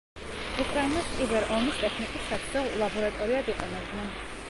უკრაინას კიბერ-ომის ტექნიკის საცდელ ლაბორატორიად იყენებდნენ.